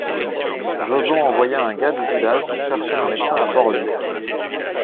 Joson envoya un gars du village chercher un médecin à Port-Louis.